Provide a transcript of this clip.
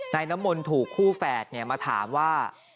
น้ำมนต์ถูกคู่แฝดมาถามว่า